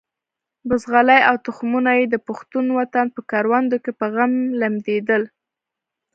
بزغلي او تخمونه یې د پښتون وطن په کروندو کې په غم لمدېدل.